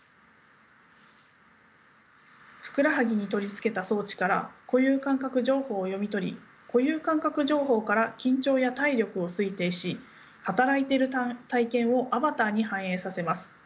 ふくらはぎに取り付けた装置から固有感覚情報を読み取り固有感覚情報から緊張や体力を推定し働いている体験をアバターに反映させます。